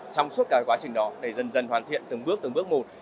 trong suốt cái quá trình đó để dần dần hoàn thiện từng bước từng bước một